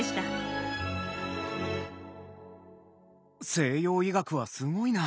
西洋医学はすごいな。